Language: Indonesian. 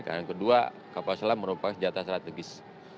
karena kedua kapal selam merupakan senjata strategis